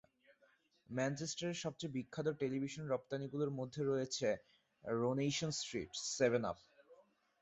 ম্যানচেস্টারের সবচেয়ে বিখ্যাত টেলিভিশন রপ্তানিগুলির মধ্যে রয়েছে "রোনেশন স্ট্রিট", "সেভেন আপ!